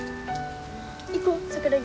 行こう桜木くん。